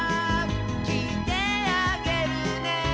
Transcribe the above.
「きいてあげるね」